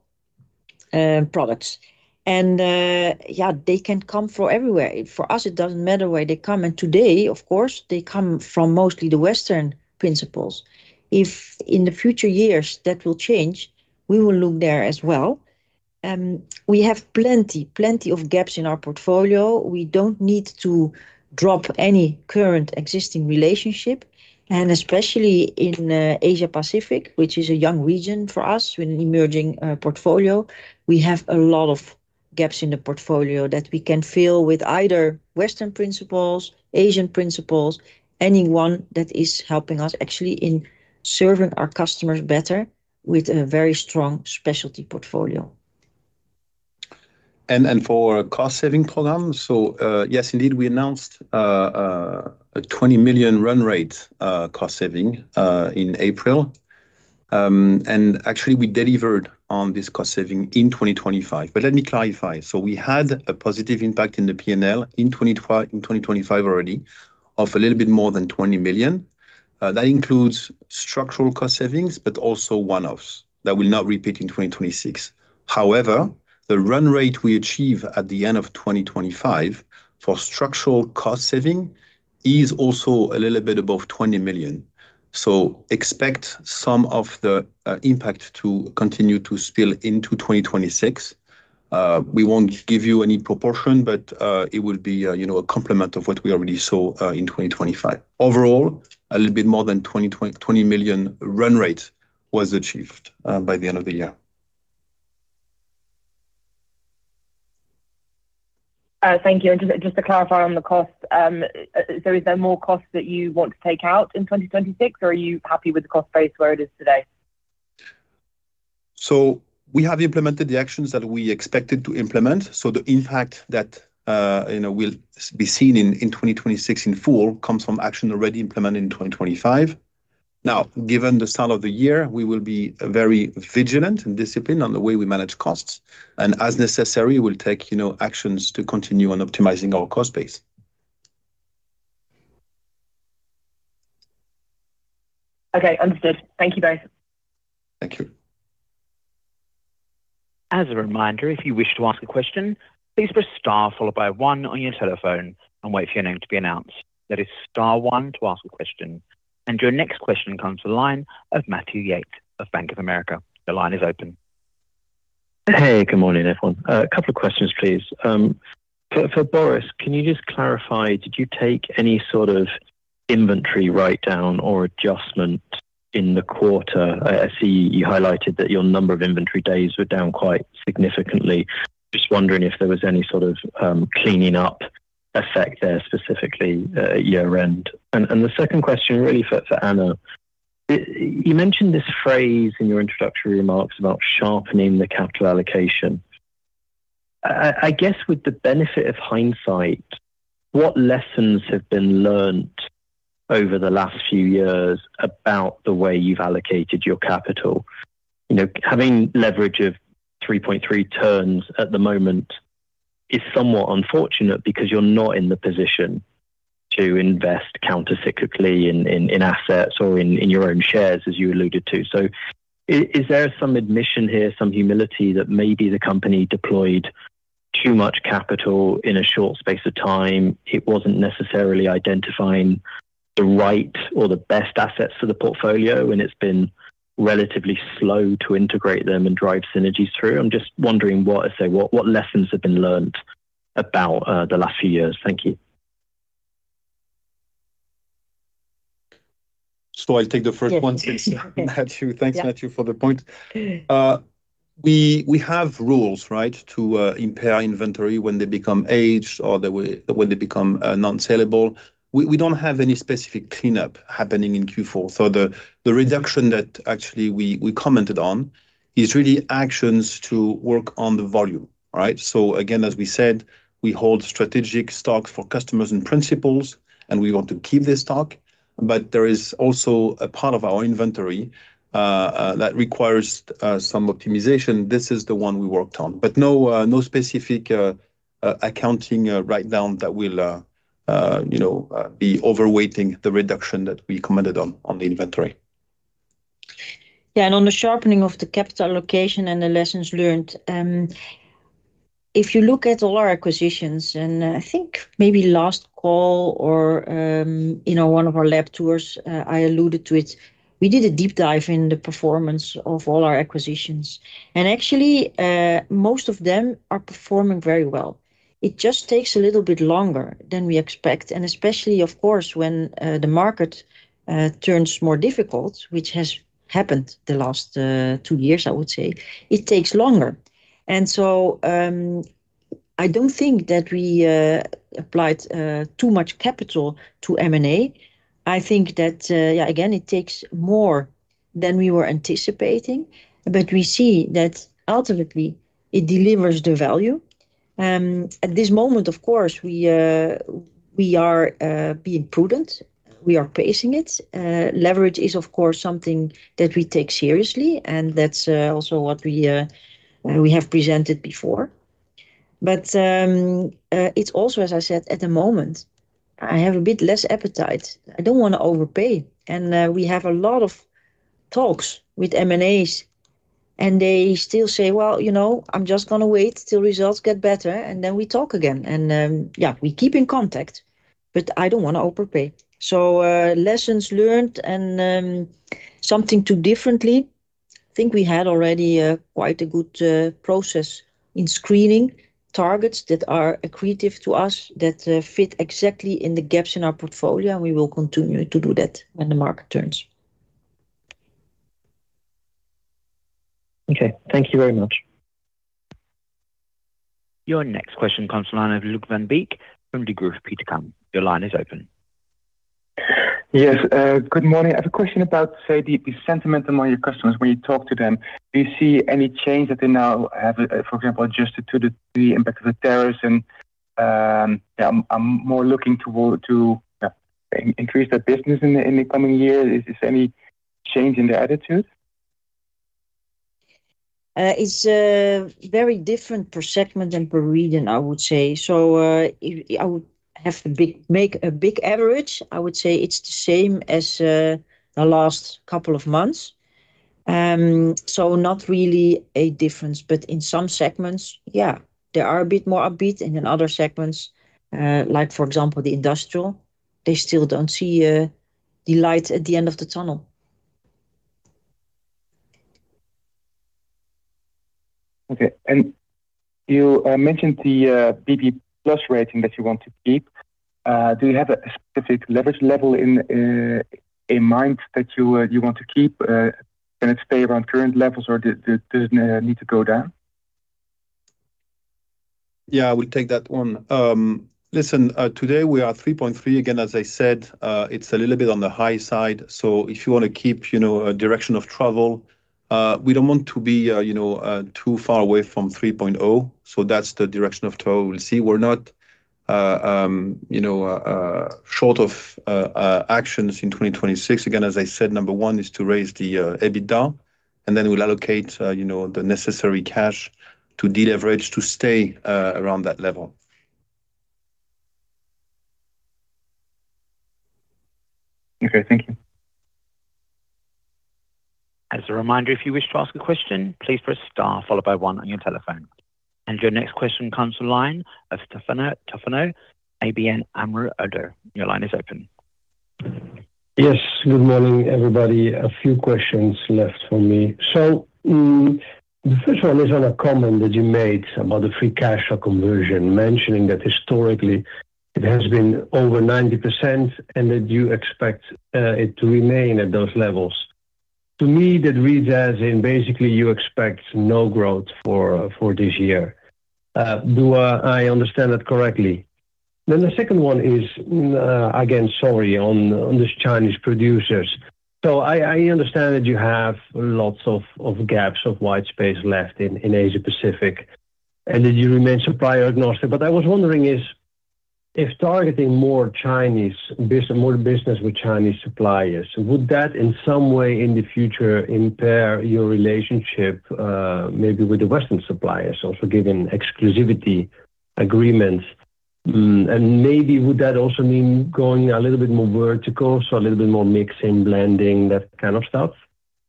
products. And yeah, they can come from everywhere. For us, it doesn't matter where they come, and today, of course, they come from mostly the Western principals. If in the future years that will change, we will look there as well. We have plenty, plenty of gaps in our portfolio. We don't need to drop any current existing relationship, and especially in Asia Pacific, which is a young region for us, with an emerging portfolio. We have a lot of gaps in the portfolio that we can fill with either Western principals, Asian principals, anyone that is helping us actually in serving our customers better with a very strong specialty portfolio. For cost-saving program, so, yes, indeed, we announced a 20 million run rate cost saving in April. And actually we delivered on this cost saving in 2025. But let me clarify. So we had a positive impact in the P&L in 2025 already of a little bit more than 20 million. That includes structural cost savings, but also one-offs that will not repeat in 2026. However, the run rate we achieve at the end of 2025 for structural cost saving is also a little bit above 20 million. So expect some of the impact to continue to spill into 2026. We won't give you any proportion, but it will be, you know, a complement of what we already saw in 2025. Overall, a little bit more than 20.20 million run rate was achieved by the end of the year. Thank you. And just, just to clarify on the cost, so is there more costs that you want to take out in 2026, or are you happy with the cost base where it is today? So we have implemented the actions that we expected to implement. So the impact that, you know, will be seen in 2026 in full comes from action already implemented in 2025. Now, given the start of the year, we will be very vigilant and disciplined on the way we manage costs, and as necessary, we'll take, you know, actions to continue on optimizing our cost base. Okay. Understood. Thank you both. Thank you. As a reminder, if you wish to ask a question, please press star followed by one on your telephone and wait for your name to be announced. That is star one to ask a question. Your next question comes to the line of Matthew Yates of Bank of America. The line is open. Hey, good morning, everyone. A couple of questions, please. For Boris, can you just clarify, did you take any sort of inventory write-down or adjustment in the quarter? I see you highlighted that your number of inventory days were down quite significantly. Just wondering if there was any sort of cleaning up effect there specifically at year-end? And the second question, really for Anna, you mentioned this phrase in your introductory remarks about sharpening the capital allocation. I guess, with the benefit of hindsight, what lessons have been learned over the last few years about the way you've allocated your capital? You know, having leverage of 3.3 turns at the moment is somewhat unfortunate because you're not in the position to invest countercyclically in assets or in your own shares, as you alluded to. So, is there some admission here, some humility that maybe the company deployed too much capital in a short space of time, it wasn't necessarily identifying the right or the best assets for the portfolio, and it's been relatively slow to integrate them and drive synergies through? I'm just wondering what, let's say, what lessons have been learned about the last few years? Thank you. So I'll take the first one since Matthew. Thanks, Matthew, for the point. We have rules, right? To impair inventory when they become aged or the way, when they become non-saleable. We don't have any specific cleanup happening in Q4. So the reduction that actually we commented on is really actions to work on the volume, right? So again, as we said, we hold strategic stocks for customers and principals, and we want to keep this stock, but there is also a part of our inventory that requires some optimization. This is the one we worked on. But no specific accounting write-down that will, you know, be overweighting the reduction that we commented on, on the inventory. Yeah, and on the sharpening of the capital allocation and the lessons learned, if you look at all our acquisitions, and I think maybe last call or, you know, one of our lab tours, I alluded to it, we did a deep dive in the performance of all our acquisitions, and actually, most of them are performing very well. It just takes a little bit longer than we expect, and especially, of course, when the market turns more difficult, which has happened the last two years, I would say, it takes longer. And so, I don't think that we applied too much capital to M&A. I think that, yeah, again, it takes more than we were anticipating, but we see that ultimately it delivers the value. At this moment, of course, we are being prudent, we are pacing it. Leverage is, of course, something that we take seriously, and that's also what we have presented before. But, it's also, as I said, at the moment, I have a bit less appetite. I don't want to overpay. And, we have a lot of talks with M&As, and they still say, "Well, you know, I'm just gonna wait till results get better, and then we talk again." And, yeah, we keep in contact, but I don't want to overpay. Lessons learned and, something to do differently, I think we had already quite a good process in screening targets that are accretive to us, that fit exactly in the gaps in our portfolio, and we will continue to do that when the market turns. Okay. Thank you very much. Your next question comes from the line of Luuk van Beek from Degroof Petercam. Your line is open. Yes, good morning. I have a question about, say, the sentiment among your customers when you talk to them. Do you see any change that they now have, for example, adjusted to the impact of the terrorism? Yeah, I'm more looking to increase their business in the coming years. Is this any change in their attitude? It's a very different per segment and per region, I would say. So, I would have to make a big average. I would say it's the same as the last couple of months. So not really a difference, but in some segments, yeah, they are a bit more upbeat, and in other segments, like for example, the industrial, they still don't see the light at the end of the tunnel. Okay, and you mentioned the BB+ rating that you want to keep. Do you have a specific leverage level in mind that you want to keep, and it stay around current levels, or does it need to go down? Yeah, I will take that one. Listen, today we are 3.3 again, as I said, it's a little bit on the high side. So if you wanna keep, you know, a direction of travel, we don't want to be, you know, too far away from 3.0. So that's the direction of travel. We'll see. We're not, you know, short of actions in 2026. Again, as I said, number one is to raise the EBITDA, and then we'll allocate, you know, the necessary cash to deleverage, to stay around that level. Okay, thank you. As a reminder, if you wish to ask a question, please press star, followed by one on your telephone. Your next question comes to the line of Stefano Toffano, ABN AMRO. Your line is open. Yes, good morning, everybody. A few questions left for me. So, the first one is on a comment that you made about the free cash flow conversion, mentioning that historically it has been over 90% and that you expect it to remain at those levels. To me, that reads as in basically you expect no growth for this year. Do I understand that correctly? Then the second one is, again, sorry, on this Chinese producers. So I understand that you have lots of gaps, of white space left in Asia Pacific, and that you remain supplier agnostic. But I was wondering if targeting more Chinese business, more business with Chinese suppliers, would that in some way in the future impair your relationship, maybe with the Western suppliers, also given exclusivity agreements? And maybe would that also mean going a little bit more vertical, so a little bit more mixing, blending, that kind of stuff?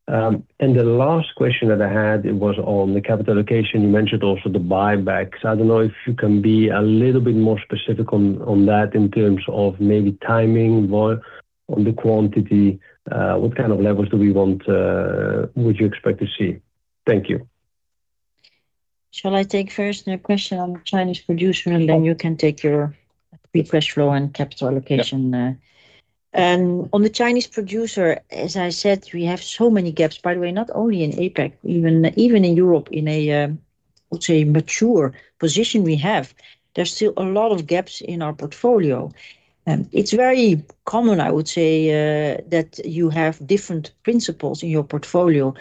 And the last question that I had was on the capital allocation. You mentioned also the buybacks. I don't know if you can be a little bit more specific on that in terms of maybe timing more on the quantity. What kind of levels do we want, would you expect to see? Thank you. Shall I take first the question on Chinese producer, and then you can take your free cash flow and capital allocation? Yeah. On the Chinese producer, as I said, we have so many gaps, by the way, not only in APAC, even in Europe, in a, let's say, mature position we have, there's still a lot of gaps in our portfolio. And it's very common, I would say, that you have different principals in your portfolio.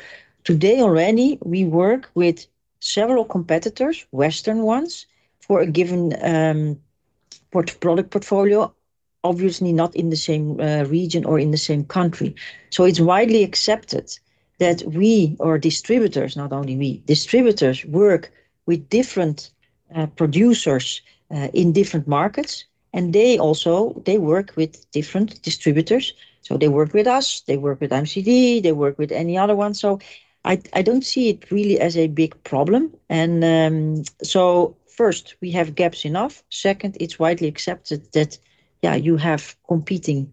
Today, already, we work with several competitors, Western ones, for a given, product portfolio, obviously not in the same, region or in the same country. So it's widely accepted that we or distributors, not only we, distributors work with different, producers, in different markets, and they also, they work with different distributors. So they work with us, they work with IMCD, they work with any other one. So I, I don't see it really as a big problem. And, so first, we have enough gaps. Second, it's widely accepted that, yeah, you have competing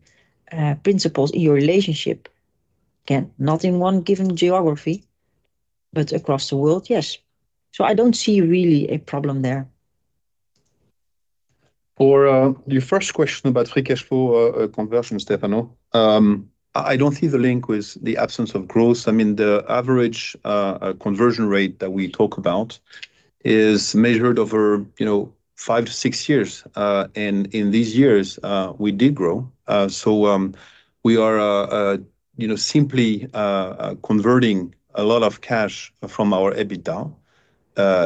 principals in your relationship. Again, not in one given geography, but across the world, yes. So I don't see really a problem there. For your first question about free cash flow conversion, Stefano, I don't see the link with the absence of growth. I mean, the average conversion rate that we talk about is measured over, you know, five to six years. And in these years, we did grow. So, we are you know, simply converting a lot of cash from our EBITDA.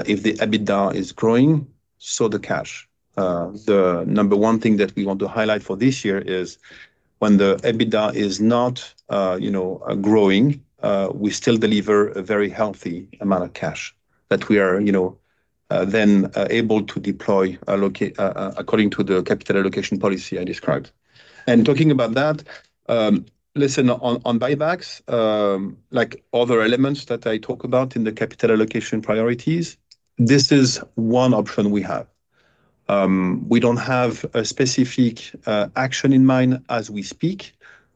If the EBITDA is growing, so the cash. The number one thing that we want to highlight for this year is when the EBITDA is not you know, growing, we still deliver a very healthy amount of cash that we are you know, then able to deploy, allocate according to the capital allocation policy I described. Talking about that, listen, on buybacks, like other elements that I talk about in the capital allocation priorities, this is one option we have. We don't have a specific action in mind as we speak,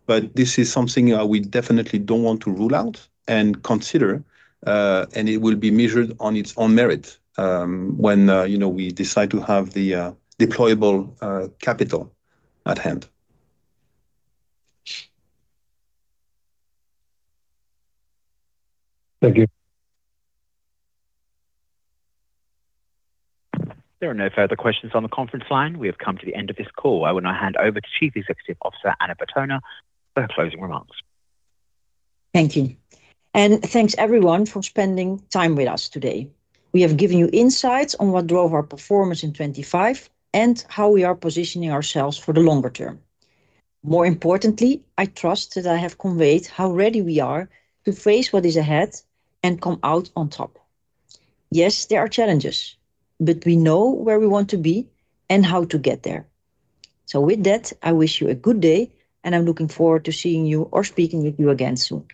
but this is something we definitely don't want to rule out and consider, and it will be measured on its own merit, when you know, we decide to have the deployable capital at hand. Thank you. There are no further questions on the conference line. We have come to the end of this call. I will now hand over to Chief Executive Officer, Anna Bertona, for her closing remarks. Thank you. Thanks, everyone, for spending time with us today. We have given you insights on what drove our performance in 2025 and how we are positioning ourselves for the longer term. More importantly, I trust that I have conveyed how ready we are to face what is ahead and come out on top. Yes, there are challenges, but we know where we want to be and how to get there. So with that, I wish you a good day, and I'm looking forward to seeing you or speaking with you again soon.